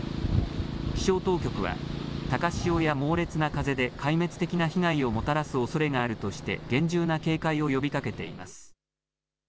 気象当局は高潮や猛烈な風で壊滅的な被害をもたらすおそれがあるとして厳重な警戒を呼びかけています。